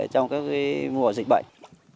trong cái mùa dịch bệnh